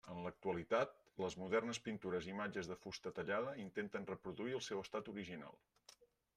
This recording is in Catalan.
En l'actualitat, les modernes pintures i imatges de fusta tallada intenten reproduir el seu estat original.